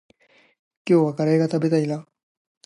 今日はカレーが食べたいな。